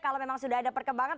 kalau memang sudah ada perkembangan